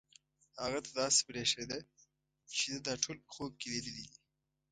هغه ته داسې برېښېده چې ده دا ټول په خوب کې لیدلي دي.